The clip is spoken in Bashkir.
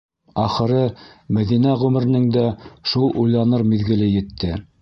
Ахыры, Мәҙинә ғүмеренең дә шул уйланыр миҙгеле етте.